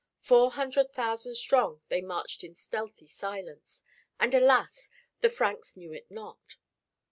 Four hundred thousand strong they marched in stealthy silence. And, alas! the Franks knew it not.